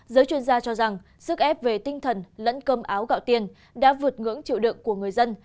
giới chuyên gia cho rằng sức ép về tinh thần lẫn cơm áo gạo tiền đã vượt ngưỡng chịu đựng của người dân